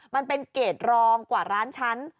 มันเป็นเกรดรองกว่าล้านชั้น